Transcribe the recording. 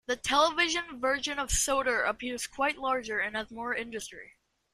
The television version of Sodor appears quite larger and has more industry.